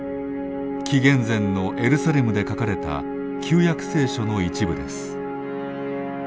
紀元前のエルサレムで書かれた「旧約聖書」の一部です。